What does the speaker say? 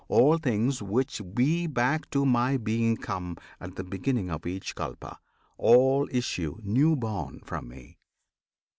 All things which be back to My Being come: At the beginning of each Kalpa, all Issue new born from Me.